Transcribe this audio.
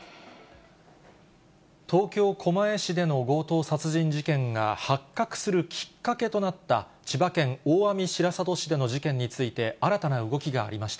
東京・狛江市での強盗殺人事件が発覚するきっかけとなった、千葉県大網白里市での事件について、新たな動きがありました。